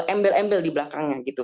embel embel di belakangnya gitu